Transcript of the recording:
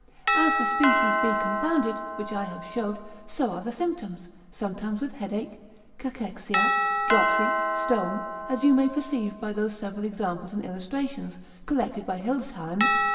As the species be confounded (which I have showed) so are the symptoms; sometimes with headache, cachexia, dropsy, stone; as you may perceive by those several examples and illustrations, collected by Hildesheim spicel.